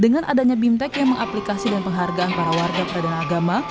dengan adanya bimtek yang mengaplikasi dan penghargaan para warga peradilan agama